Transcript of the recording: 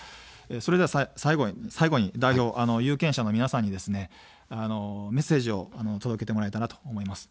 それでは最後に代表、有権者の皆さんにメッセージを届けてもらえたらと思います。